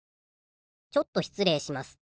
ちょっと失礼します。